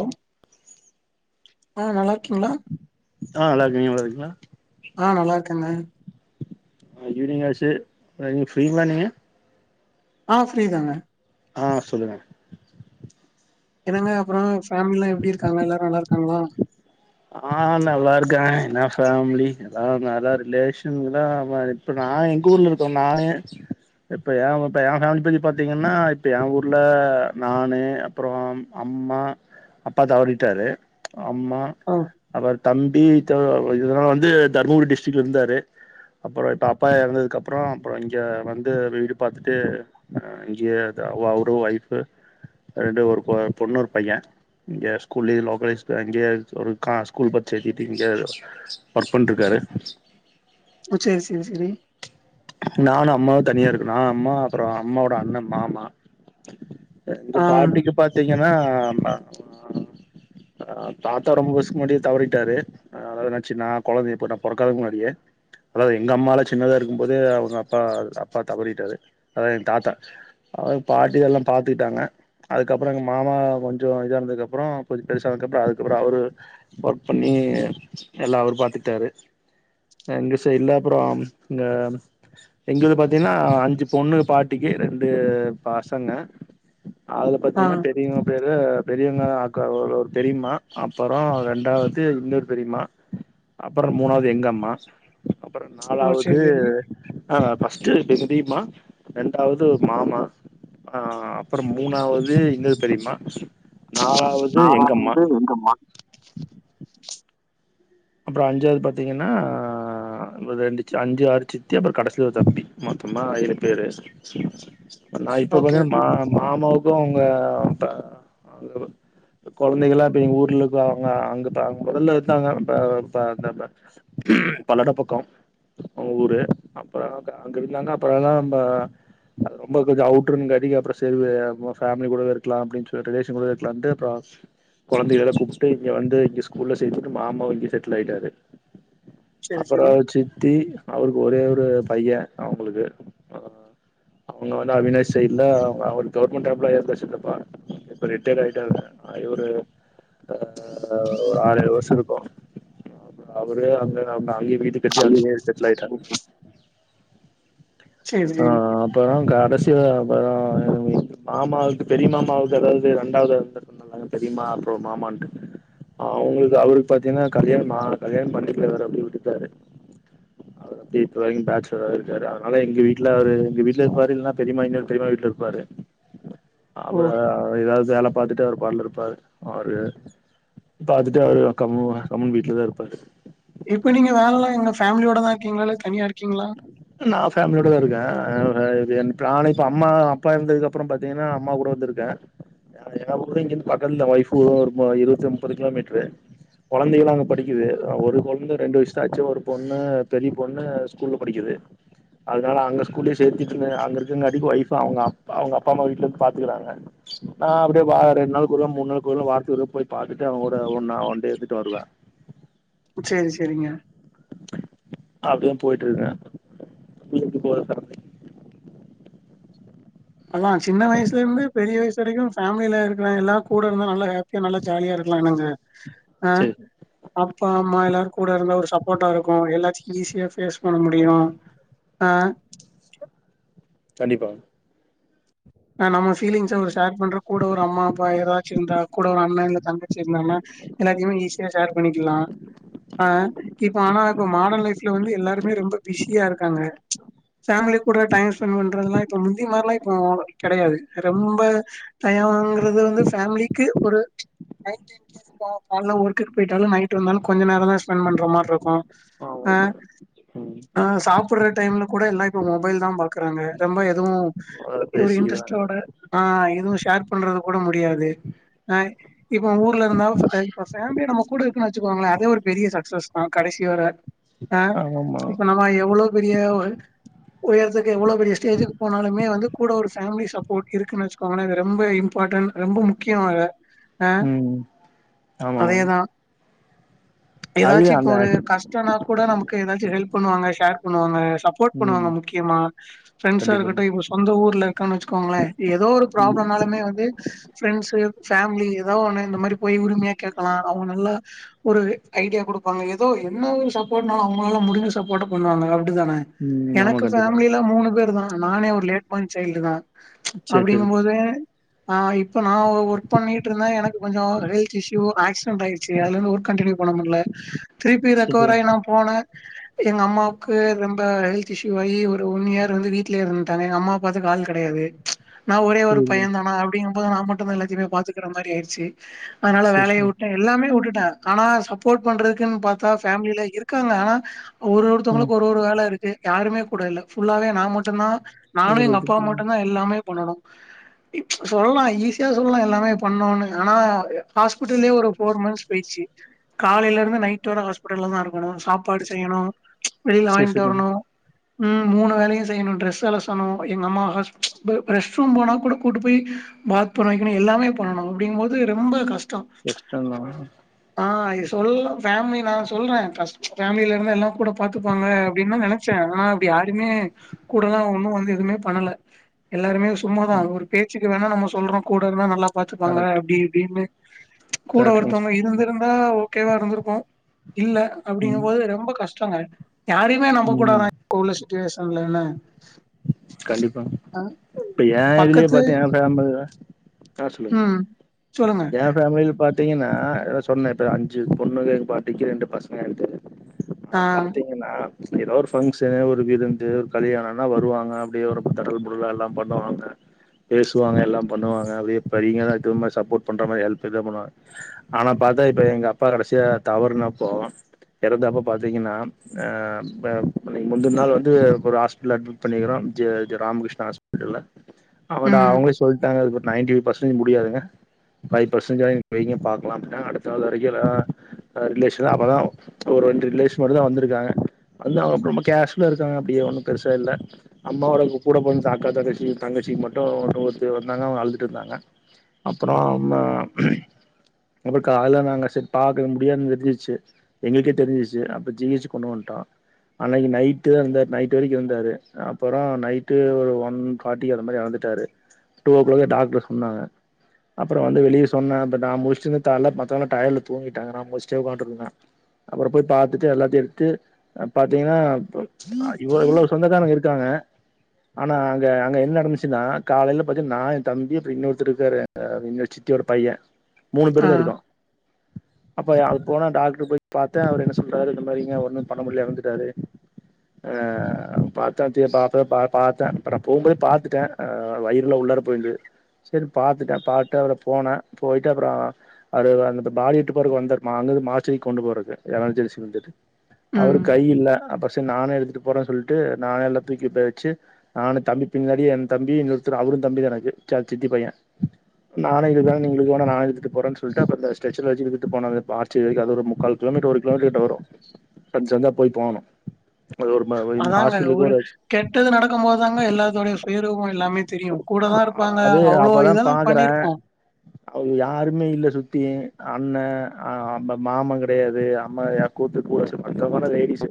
hello [inaudible] ஆ நல்லா இருக்கீங்களா ஆ நல்லா இருக்கே நீங்க நல்லாயிருக்கீங்களா ஆ நல்லா இருக்கங்க ஆ ஈவினிங் ஆச்சு இன்னக்கி ஃப்ரீங்களா நீங்க ஆ ஃப்ரீதாங்க ஆ சொல்லுங்க என்னங்க அப்புறோ ஃபேமிலியெல்லா எப்டி இருக்காங்க எல்லாரு நல்லா இருக்காங்களா ஆ நல்லா இருக்காங்க என்ன ஃபேமிலி எல்லா அதா ரிலேஷன் எல்லா இப்ப நா எங்க ஊர்ல இருக்கிற நானே இப்ப என் இப்ப என் ஃபேமிலி பத்தி பாத்தீங்கன்னா இப்ப என் ஊர்ல நானு அப்புறோம் அம்மா அப்பா தவறிட்டாரு அம்மா ம் அவர் தம்பி இத்த இதனால வந்து தர்மபுரி டிஸ்டிட்ல இருந்தாரு அப்புறோ இப்போ அப்பா இறந்ததுக்கப்புறோ அப்புறோ இங்க வந்து வீடு பாத்துட்டு அ இங்கியே அது அவ் அவரு ஒய்ஃப்பு ரெண்டு ஒரு கொ பொண்ணு ஒரு பையன் இங்க ஸ்கூல்லியே லோக்கலைஸ் அங்கியே ஒரு க்கா ஸ்கூல் பரிட்ச எழுதிட்டு இங்க ஒர்க் பண்ணிட்ருக்காரு ம் சேரி சேரி செரி நானு அம்மாவு தனியா இருக்கோ நானு அம்மா அப்புறோ அம்மாவோட அண்ணன் மாமா அ எங்க ஆ பாட்டிக்கு பாத்தீங்கன்னா அ அ தாத்தா ரொம்ப வர்சத்துக்கு முன்னாடியே தவறிட்டாரு அதாது அண்ணாச்சி நா கொழந்தை இப்ப நா பொறக்காத முன்னாடியே அதாது எங்க அம்மாலா சின்னதா இருக் க்கும்போதே அவுங்க அப்பா அது அப்பா தவறிட்டாரு அதா என் தாத்தா அவுங்க பாட்டி எல்லா பாத்துக்கிட்டாங்க அதுக்கப்பறோ எங்க மாமா கொஞ்சோ இதானதுக்கப்பறோ கொஞ்சோ பெருசானதுக்கப்பறோ அதுக்கப்பறோ அவரு ஒர்க் பண்ணி எல்லா அவரு பாத்துக்கிட்டாரு எங்க சைடுல அப்பறோ இந்த எங்கது பாத்தீங்கன்னா அஞ்சு பொண்ணுக பாட்டிக்கு ரெண்டு பசங்க அதுல ஆ பாத்தீங்கன்னா பெ பெரியவங்க பேரு பெரியவங்கதா அக்கா ஒரு பெரிம்மா அப்பறோ ரெண்டாது இன்னொரு பெரிம்மா அப்பறோ மூணாது எங்க அம்மா அப்பறோ ஓ நாலாவது செரி செரி ஆ ஃபர்ஸ்ட்டு பேசுனது பெரிம்மா ரெண்டாவது ஒரு மாமா ஆ அப்பறோ மூணாவது இன்னொரு பெரியம்மா நாலாவது எங்கம்மா எங்க அம்மா அப்பறோ அஞ்சாது பாத்தீங்கன்னா ஆ அம்பதஞ்சிச்சி அஞ்சு ஆறு சித்தி அப்பறோ கடசில ஒரு தம்பி மொத்தமா ஏழு பேரு நா இப்ப ஓகே பாத்தீங்கன்னா ஓகே மா மாமாவுக்கு அவுங்க அத்த [unintelligible] கொழந்தைகள்லா இப்டி எங்க ஊர்ல இருக்குறாங்க அங்கதா முதல்ல இருந்தாங்க ப பாத்தப்ப பல்லட பக்கோ அவன் ஊரு அப்பறோ க அங்க இருந்தாங்க அப்பறந்தா ப அது ரொம்ப கொஞ்சோ அவுட்ருங் கதிங்கப்ற செரி வே அப்ப பேமிலி கூடவே இருக்கலா அப்டின் சொல்லிட்டு ரிலேஷன் கூட இருக்கலான்ட்டு அப்பறோ கொழந்திகள ஸ்டுப்ட்டு இங்க வந்து இப்டி ஸ்கூல்ல சேத்துட்டு மாமா வந் து செட்ல் ஆயிட்டாரு செரி அப்பறோ செரி சித்தி அவருக்கு ஒரே ஒரு பைய அவுங்குளுக்கு அவுங்க வந்து அவினாஷ் சைட்ல அவரு கவர்மெண்ட் எம்ப்ளாயா இருந்தாரு சித்தப்பா இப்ப ரிட்டைட் ஆயிட்டாங்க ஒரு ஆ ஒரு ஆறு வர்ஷோ இருக்கோ அவுரு அங்க அவங்க அங்கயே வீடு கட்டி அங்கியே செட்லாயிட்டா செர் ஆ செரி அப்பறோ கடைசில அப்பறோ மாமாவுக்கு பெரிய மாமாவுக்கு அதாவ்து ரெண்டாவது அங்க அது தெரியுமா அப்புற மாமான்ட்டு அவுங்ளுக்கு அவருக் பாத்தீங்ன்னா கல்யாணமாகால கல்யாண பண்ணிக்ல அவுரு அப்டி விட்டுட்டாரு அதுலந்து இப்ப வரைக்கு பேச்சுலரவே இருக்காரு அதனால எங்க வீட் ட்ல அவரு எங்க வீட்ல இருப்பாரு இல்னா பெரிமா இன்னொரு பெரிமா வீட்ல இருப்பாரு அவரு ஓ எதாவ்து வேல செய்லாம் பாத்துட்டே அவர் பாட்னு இருப்பாரு அவரு பாத்துட்டு அவரு கம்மு கம்முன் வீட்லியே தா இருப்பாரு இப்ப நீங்க வேலலா எங்க ஃபேமிலியோட தா இருக்கீங்ளா இல்ல தனியா இருக்கீங்ளா நா ஃபேமிலியோட தா இருக்க நா இது வந்து பிளான்னே இப்ப அம்மா அப்பா எறந்ததுக்கப் அப்புறம் பாத்தீங்ன்னா அம்மா கூட வந்திருக்க அதுக்கு தா ப்ரோ இங்கிருந்து பக்கத்ல ஒய்ஃப்பு ஊருக்கு இருவத்து முப்பது கிலோமீ்ட்ரு கொழந்தைகளா அங்க படிக்குது ஒரு கொழந்த ரெண்டு வய்சுதாச்சு ஒரு பொண்ணு பெரிய பொண்ணு ஸ்கூல்ல படிக்குது அதனால அங்க ஸ்கூல்லே சேத்திக்கின்னு அங்க இருக்குங்க அதிக் ஓய்ஃப்பு அவுங்க அப் அவுங்க அப்பா அம்மா வீ்ட்ல இருந்து பாத்துக்கறாங்க நா அப்டியே பாத் ரெண் நாள்க்கு கொருவ மூண் நாள்க்கு கொருவ வாரத்துக் ஒரு நாள் போய் பாத்துட்டு அவுங் கூட ஒண்ணா ஒன்டே இருந்துட்டு வருவ சேரி செரிங்க அப்டியே போய்ட்டுருக்க வீட்டுக்கு போற [unintelligible] அண்ணா சின்ன வயசுலிருந்து பெரிய வயசு வரைக்கு ஃபேமில இருக்கிற எல்லார் கூட இருந்தா நல்லா ஹேப் பியா நல்லா ஜாலியா இருக்லா என்னங்க ஆ சேர் அப்பா அம்மா எல்லாரும் கூட இருந்த ஒரு சப்போர்ட்டா இருக்கும் எல்லாச்சியு ஈஸியா ஃபேஸ் பண்ண முடியும் அ கண்டிப்பா அ நம்ம ஃபீலிங்ஸும் ஒரு ஷேர் பண்ற கூட ஒரு அம்மா அப்பா யாராச்சும் இருந்தா கூட ஒரு அண்ணா இல்ல தங்காச்சி இருந்தாங்ன்னா எல்லாத்தையுமே ஈஸியா ஷேர் பண்ணிக்கில்லா ஆ இப்ப ஆனா இப்ப மாடன் லைஃப்ல வந்து எல்லாருமே ரொம்ப பிஸ் ஸியா இருக்காங்க ஃபேமிலி கூட டைம் ஸ்பெண்ட் பண்றதுல்லா இப்ப முந்தி மாரில்லா இப்போ கெடயாது ரொம்ப டையம்ங்கிறது வந்து ஃபேமிலிக்கு ஒரு ஆக்டிவ் இப்ப கால்ல ஒர்க்குக்கு போயிட்டாலும் நைட் வந்தாலும் கொஞ்ச நேரம் தா ஸ்பெண்ட் பண்ற மாரி இருக்கும் அ ஆமாமா ம் சாப்புற டைம்ல கூட எல்லாம் இப்ப மொபைல் தா பாக்குறாங்க ரொம்ப எதுவும் [unintelligible] ஒரு இன்ட்ரெஸ்ட்டோட ஆ எதுவும் ஷேர் பண்றது கூட முடியாது அ இப்ப ஊர்ல இருந்தா இப்ப ஃபேமிலி நம்ம கூட இருக்குன் வச்சுக்கோங்களே அதே ஒரு பெரிய சக்சஸ் தா கடைசி வர அ ஆமாமா இப்ப நம்ம எவ்ளோவ் பெரிய ஒரு எடத்துக்கு எவ்ளோ பெரிய ஸ்டேஜுக்கு போனாலுமே வந்து கூட ஒரு ஃபேமிலி சப்போர்ட் இருக்குன் வச்சிக்கோங்ளே இது ரொம்ப இம்பார்ட்டன் ரொம்ப முக்கியம் வேற அ ம் ஆமாமா அதேதா அதுவே எதாச்சும் இப்ப அந்த ஒரு ஆக்ட் கஷ்டம்ன்னா கூட நமக்கு எதாச்சும் ஹெல்ப் பண்ணுவாங்க ஷேர் பண்ணுவாங்க சப் போர்ட் பண்ணுவாங்க ம் முக்கியமா ஃப்ரெண்ட்ஸா கண்டிப்பா இருக்கட்டோ இப்ப சொந்த ஊர்ல இருக்கான் வச்சுக்கோங்ளே ஏதோ ஒரு ம் ப்ராப்ளம்னாலுமே வந்து ப்ரெண்ட்ஸ் ஃபேமிலி ஏதாவது ஒண்ண இந்த மாதிரி போய் உரிமையா கேட்கலா அவன் நல்லா ஒரு ஐடியா குடுப்பாங்க ஏதோ என்ன ஒரு சப்போர்ட்னாலு அவங்களால முடிஞ்ச சப்போர்ட பண்ணுவாங்க அப்டிதான ம் ஆமா எனக்கு கண்டிப்பா ஃபேமிலில மூணு பேரு தா நானே ஒரு லேட் ஃபான் சைல்டு தா சேரி அப்டிங்கும் போது ஆ இப்ப நா ஒர்க் பண்ணிட்டு இருந்தே எனக்கு கொஞ்சோ ஹெல்த் இஸ்யூ ஆக்சிடென் ஆயி ச்சு அதுலந்து ஒர்க் கண்டினியூ பண்ண முடில திருப்பி சேரி சேரி ரெக்கவராயி நா போன எங்க அம்மாவுக்கு ரொம்ப ஹெல்த் இஷ்யூ ஆகி ஒரு ஒண்யர் வந்து வீட்லயே இருந்துட்டாங்க எங்க அம்மா பாத்துக ஆள் கெடையாது நா ஒரே சேரி ஒரு புரியுது பையதானா அப்டிங் போது நா மட்டும் தா எல்லாத்துமே பாத்துக்கிற மாரி ஆயிச்சு அதனால சேரி வேலைய சேரி வுட்டே எல்லாமே வுட்டுட்டே ஆனா சப்போர்ட் பண்றக்குனு பாத்தா ஃபேமிலில இருக்காங்க ஆனா ஒரு ம் ஒருத்தவங்ளுக் ஒரு ஒரு வேல இருக்கு யாருமே கூட இல்ல ஃபுல்லாவே நா மட்டும்தா நானு புரியுது எங்கப்பா மட்டுதா எல்லாமே பண்ணணு சொல்லலா ஈஸியா சொல்லலா எல்லாமே பண்ணுனு ஆனா ஹாஸ்பிட்டலயே ஒரு ஃபோர் மந்த்ஸ் போய்டுச்சி காலைல இருந்து நைட் வர ஹாஸ்பிட்டல்ல தா இருக்கணு சாப்பாடு செய்யணு வெளில சேரி வாங்கிட் சேரி வரணு ம் மூணு வேளையு செய்யணு டிரஸ் அலசணு எங்க அம்மா ஹாஸ் ரெஸ்ட் ரூம் போனா கூட கூட்டு போயி பாத் பண்ண வைக்கணு எல்லாமே பண்ணனு அப்டிங் போது ரொம்ப கஷ்டோ கஷ்டந்தா ஆ சொல்ல ஃபேமலி நா சொல்றே ஃபர்ஸ்ட் ஃபேம்லிலருந்து எல்லா கூட பாத்துப்பாங்க அப்டின்னு நா நென ச்சே ஆனா அப்டி யாருமே கூடதா ஒன்னு வந்து எதுமே பண்ணல எல்லாருமே சும்மாதா ஒரு பேச்சுக்கு வேணா நம்ம சொல்றோ கூட இருந்தா நல்லா பா்த்துப்பாங்க கரெக்ட் அப்டி இப்டின்னு கூட கேட்ரிங்ஸ் ஒருத்தவங்க இருந்திருந் ஆ ஓகேவா இருந்திருக்கு இல்ல ம் அப்டிங்கும்போது ரொம்ப கஷ்டங்க யாரையு ஏ நம்ம ம் கூடாதா போலீஸ் ஸ்டேஷன்ல என்ன கண்டிப்பா அ இப்ப ஏ இதுலயே பக்கத்து பாத்தே ஏ ஃபேமிலி இன்னா சொல்லுங் ம் சொல்லுங்க ஏ ஃபேம்மிலில பாத் தீங்கனா எதோ சொன்னே இ அஞ்சு பொண்ணு பார்டிக்கு ரெண்டு பசங்கன்ட்டு ஆ ஆனா பாத்தே ஏன்னா ஏதாவ் ஒரு ஃபங்க்ஷனு ஒரு விருந்து ஒரு கல்யாணோ லா வருவாங்க அப்டியே வ தடல் புடல்லா எல்லா பண்ணுவாங்க பேசுவாங்க எல்லா பண்ணுவங்க அப்டியே [unintelligible] நமக்கு சப்போர்ட் பண்ற மாரி ஹெல்ப் இது பண்வாங் ஆனா பாத்தா இப்ப எங்க அப்பா கடைசியா தவர்னப்போ இறந்தப்ப பாத்தீங்கனா ஹ ம முந்தினா நாள் வந்து ஒரு ஹாஸ் ப்பிடல்ல அட்மிட் பண்ணிகிறோ ராமகிருஷ்ணா ஹாஸ்பிட்டல்ல அவதா ம் அவங்ளே சொல்ட்டாங்க நைன்டி ஃபைவ் பர்சன்டேஜ் முடியாதுங்க ஃபைவ் பர்சன்டேஜ நீ வைங்க பாக்கலா அப்டின்னா அடுத்த நாள் வரைக்கு அத ரிலேஷன் அப்பதா ஒரு ரெண்டு ரிலேஷன் மட்டு தா வந்திருக்காங்க வந்து அவங்க ரொம்ப கேஷுவலா இருக்காங்க அப்டியே ஒன்னு பெருசா இல்ல அம்மாவோட கூட பொறந்த அக்கா தங்கச்சி தங்கச்சிக் மட்டு ஒரு மூனுபேர் வந்தாங்க அவங்க அழுதுட் இருந்தாங்க அப்புறோ அம்மா அப்பறோ கால்ல நாங்க சேர் பாக்க முடியாதுனு தெரிஞ்சிச்சு எங்களுக்கே தெரிஞ்சிச்சு அப்ப ஜி ஹச் கு கொண்டு வந்ட்டோ அன்னைக் நைட்டு அந்த நைட் வரைக்கு இந்தாரு அப்புறோ நைட்டு ஒரு ஒன் பாட்டி அந்த மாரி இறந்துட்டாரு டூ ஓ கிளாகே டாக்டர் சொன்னாங்க அப்புறோ வந்து வெளியே சொன்னே பட் நா முழிச்சட்டு இருந்து கால்ல பாத்தா டயர்ல தூங்கிட்டாங்க நா முழிச்சிட்டே உக்காண்டு இருந்தே அப்பறோ போய் பாத்துட்டு எல்லாத்தையு எடுத்து அப் பாத்தீங்ன்னா ப் அ இவ்ளோ இவ்ளோ சொந்தக்காரங் இருக்காங்க ஆனா அங்க அங்க என்ன நடந்துச்சுனா காலையில பாத்தி நா எ தம்பி அப்பறோ இன்னொருத்தர் இருக்காரு அ எங்க சித்தியோட பைய்ய மூணு ஆ பேரு தா இருக்கோ அப்ப அது போனா டாக்ட்ரு போ பாத்தே அவரு என்ன சொல்றாரு இந்த மாரிங்க ஒன்னு பண்ண முடில இறந்துட்டாரு ஆ [unintelligible] பாப்ப பா பாத்தே அப்பறோ போம்போது பாத்துட்டே அ வயிறுலா உள்ளாற போயிருந்து சேரி பாத்துட்டே பாத்டே அவ்ர போனே போயிட்டு அப்புறோ அது அந் அந்த பாடி இட்டு போரக்கு வந்தாரு அங்கருந்து மார்ச்சிரிக் கொண்டு போறக்கு எமர்ஜென்சி [unintelligible] ம் அவருக் கை இல்ல அப்ப செரி நானே எடுத்துட்டு போறேன் சொல்லிட்டு நானே எல்லா தூக்கிட் போய் வெச்சு நானு தம்பி பின்னாடி என் தம்பி இன்னொருத்தர் அவரு தம்பி தா எனக்கு சா சித்தி பைய்ய நானே இழுக்கரே நீங்க இழுக்க வேணா நானே இழுத்துட்டுபோறேன் சொல்ட்டு அப்பறோ அந்த ஸ்டெச்சர்ல வெச்சி இழுத்துட்டுபோனா [unintelligible] மார்ச்சுவரி வரைக் அது ஒரு முக்கால் கிலோமீட்டர் வரு டோல்கேட் வரு சந் சந்தா போய் போணு அது ஒரு ம இந்த அதாங்க ஹாஸ்பிட்டலுக்கு ஒரு கெட்டது நடக்கும் போதுதாங்க எல்லாத்தோடைய சுயரூபோ எல்லாமே தெரியு கூட தா இருப்பாங்க அது அவ்ளோ இதெல்லா பண்ணிருப்போ அவக யாருமே இல்ல சுத்தி அண்ணே அ அம் ம மாமங் கெடையாது அம்மா [unintelligible] லேடிசு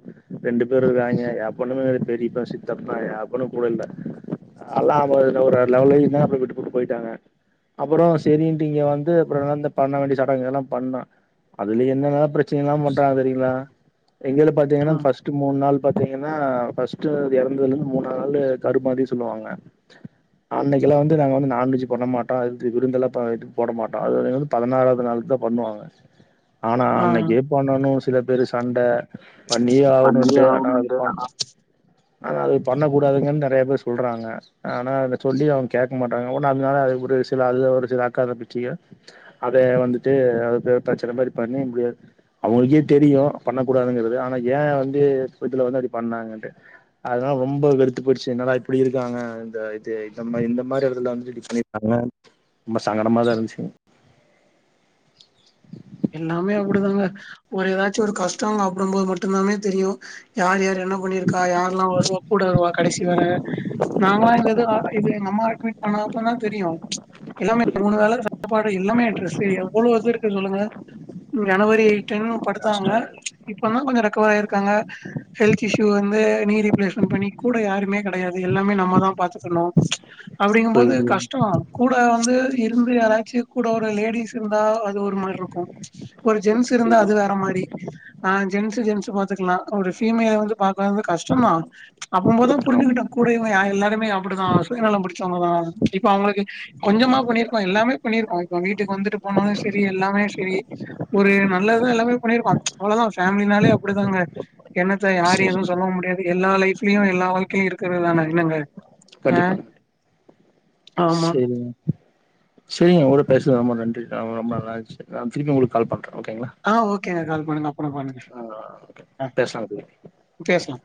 ரெண்டு பேர் இருக்காய்ங்க எவ்வனு பெரியப்பா சித்தப்பா எவணு கூடயில்ல அத்ல்லா [inaudible] ஒரு லெவலயுமே அப்டியே விட்டுபோட்டு போயிட்டாங்க அப்பறோ சேரின்ட்டு இங்க வந்து அப்பறோ நடந்த பண்ண வேண்டிய சடங்குகெல்லா பண்ணா அதுலயே என்னல்லா பிரச்சன எல்லா பண்றாங்க தெரியுங்க்ளா இங்கிருந்து ஆ பாத்தீங்கன்னா ஃபர்ஸ்ட் ட்டு மூண் நாள் பாத்தீங்கன்னா ஃபர்ஸ்ட் இறந்ததுலிர்ந்து மூணு நாள் கருமாதி சொல்லுவாங்க அன்னைக்கெல்லா வந்து நாங்க வந்து நான்வெஜ்ஜு பண்ண மாட்டோ அது விருந்தொல்லா ப போட மாட்டோ அதுலிர்ந்து பதனாறாவத் நாளுக் தா பண்ணுவாங்க [inaudible] ஆனா அன்னைக்கே பண்ணனு சில பேரு சண்ட பண்ணியே பண்ணி ஆகணுன்ட்டு ஆ ஆனா அது பண்ணு ஆனா அது பண்ணக் கூடாதுங்கன் நெறைய பேர் சொல்றாங்க ஆனா அது சொல்லியு அவங் கேட்க மாட்டாங்க ஒடனே அதனால அது ஒரு சில அது ஒரு சில அக்கா தங்கச்சிக அதேய வந்துட்டு அது ப பிரச்சனை மாரி பண்ணி முடியாது அவுங்ளுக்கே தெரியு பண்ணக்கூடாதுங்கறது ஆனா ஏ வந்து இதுல வந்து அப்டி பண்ணாங்கன்ட்டு அத்னாலா ரொம்ப வெறுத்து போய்ட்ச்சு என்னல்லா இப்டி இருக்காங்க இந்த இது நம்ம இந்த மாரி எடத்துல வந்து இப்டி பண்ணிட்டாங்க ரொம்ப சங்கடமா தா இருன்ச்சுங்க எல்லாமே அப்டிதாங்க ஒரு ஏதாச்சு ஒரு கஷ்டோ [unintelligible] போது மட்டுந்தாமே தெரியு யார் யார் என்ன பண்ணிருக்கா யார்ல்லா வருவா கூட வருவா கடைசி வர நாங்களா இந்த இது அ இது எங்க அம்மா அட்மிட் பண்ண அப்றதா தெரியு எல்லாமே மூணு வேல சாப்பாடு எல்லாமே ட்ரெஸ் எவ்ளோ இது இருக்குன் சொல்லுங்க ஜனவரி டென்னு படுத்தாங்க இப்பந்தா கொஞ்சோ ரெக்கவர் ஆயிருக்காங்க ஹெல்த் இஷ்யூ வந்து நீ ரீப்ளேஸ்மெண்ட் பண்ணி கூட யாருமே கெடையாது எல்லாமே நம்ம தா பாத்துக்கண்ணு அப்டிங்கும்போது புரியுது கஷ்டோ கூட வந்து இருந்து யாராச்சுயு கூட ஒரு லேடிஸ் இருந்தா அது ஒரு மார்ருக்கு ஒரு ஜென்ஸ் இருந்தா அது வேற மாரி ஆ ஜென்ஸ்சு ஜென்ஸ்சு பாத்துக்லா ஒரு ஃபீமேல வந்து பாக்றது வந்து கஷ்டோந்தா அப்றம்போது ஆமா புரிஞ்சுகிட்ட கூட இவங்க யா எல்லாருமே அப்டிதா சுயநலம் புடிச்சவங்கதா இப்ப அவங்களுக்கு கொஞ்சமா பண்ணிருக்கோ எல்லாமே பண்ணிருக்கோ இப்போ வீட்டுக் வந்துட்டு போனாலு சேரி எல்லாமே சேரி ஒரு நல்லதா எல்லாமே பண்ணிருக்கோ அவ்வளதா ஃபேமிலினாலே அப்டிதாங்க என்னத்த யாரயு சரி எதுவு சொல்லவு முடியாது எல்லா லைஃப்லயு எல்லா வழ்க்கைலயு இருக்கறதுதான என்னங்க ஆ கண்டிப்பா ஆமா சேரிங்க சேரிங்க ஒங்க கூட பேசுது ரொம்ப நன்றி ரொம்ப நல்லாந்துச்சு நா திருப்பி ஒங்களுக்கு கால் பண்ற ஓகேங்களா ஆ ஓகேங்க கால் பண்ணுங்க அப்பறோ பண்ணுங்க ஆ ஓகே ஆ பேசலாங்க பேசலா